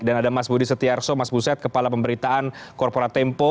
dan ada mas budi setiarto mas buset kepala pemberitaan korporat tempo